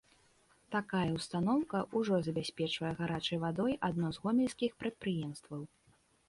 Такая ўстаноўка ўжо забяспечвае гарачай вадой адно з гомельскіх прадпрыемстваў.